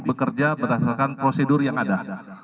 bekerja berdasarkan prosedur yang ada